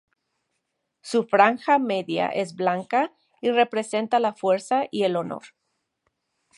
Su franja media es blanca, y representa la fuerza y el honor.